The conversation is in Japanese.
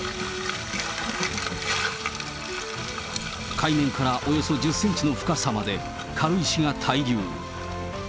海面からおよそ１０センチの深さまで軽石が滞留。